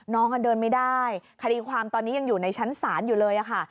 น้องเดินไม่ได้คดีความตอนนี้ยังอยู่ในชั้นศาลอยู่เลยค่ะ